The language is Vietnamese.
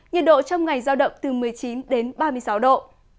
nhiệt độ trong ngày giao động từ một mươi chín đến ba mươi sáu độ